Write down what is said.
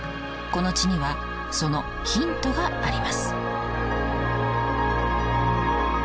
この地にはそのヒントがあります。